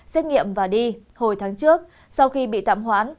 xét nghiệm và đi hồi tháng trước sau khi bị tạm hoãn